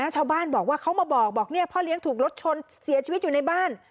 ชาวบ้านบอกว่าเขามาบอกบอกพ่อเลี้ยงถูกรถชนเสียชีวิตอยู่ในบ้าน